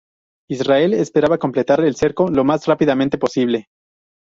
Israel esperaba completar el cerco lo más rápidamente posible.